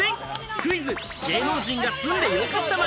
クイズ芸能人が住んでよかった街。